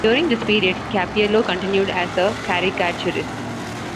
During this period, Cappiello continued as a caricaturist.